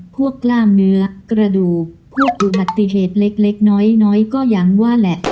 กล้ามเนื้อกระดูกพวกอุบัติเหตุเล็กน้อยก็ยังว่าแหละ